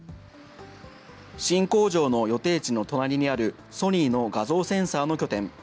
新工場の予定地の隣にある、ソニーの画像センサーの拠点。